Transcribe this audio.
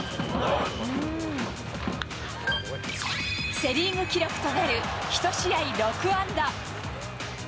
セ・リーグ記録となる１試合６安打。